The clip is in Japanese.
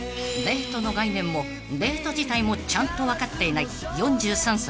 ［デートの概念もデート自体もちゃんと分かっていない４３歳］